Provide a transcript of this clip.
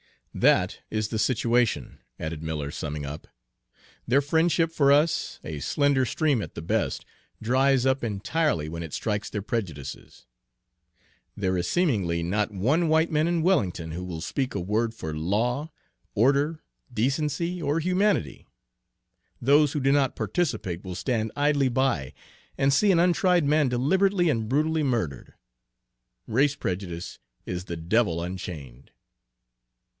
"That is the situation," added Miller, summing up. "Their friendship for us, a slender stream at the best, dries up entirely when it strikes their prejudices. There is seemingly not one white man in Wellington who will speak a word for law, order, decency, or humanity. Those who do not participate will stand idly by and see an untried man deliberately and brutally murdered. Race prejudice is the devil unchained."